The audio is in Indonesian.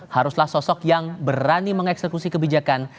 haruslah sosok yang berani mengeksekusi kebijakan